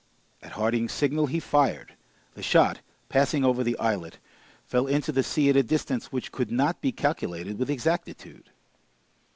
At Harding's signal, he fired. The shot, passing over the islet, fell into the sea at a distance which could not be calculated with exactitude.